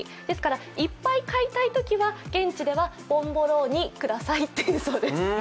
ですからいっぱい買いたいときは、現地ではボンボローニくださいと言うそうです。